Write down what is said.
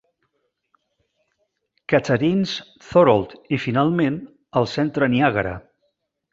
Catharines-Thorold i finalment el centre Niàgara.